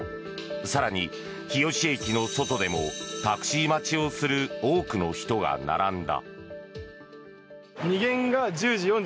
更に、日吉駅の外でもタクシー待ちをする多くの人が並んだ。